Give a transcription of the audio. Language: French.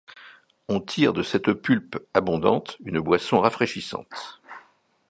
On tire de cette pulpe abondante une boisson rafraîchissante.